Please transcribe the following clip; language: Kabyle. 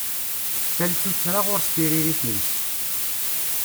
Tal tuttra ɣur-s tiririt-ines.